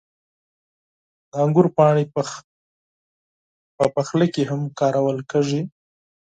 • د انګورو پاڼې په پخلي کې هم کارول کېږي.